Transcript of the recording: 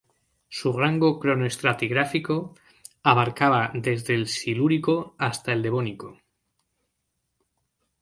Su rango cronoestratigráfico abarcaba desde el Silúrico hasta el Devónico.